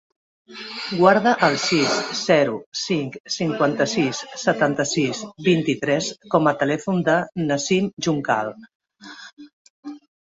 Guarda el sis, zero, cinc, cinquanta-sis, setanta-sis, vint-i-tres com a telèfon del Nassim Juncal.